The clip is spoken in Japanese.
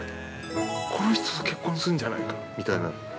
◆この人と結婚するんじゃないかみたいな。